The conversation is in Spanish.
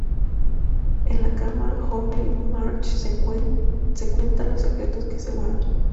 En la cama, Homer y Marge se cuentan los secretos que se guardan.